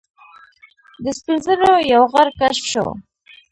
د سپین زرو یو غر کشف شو.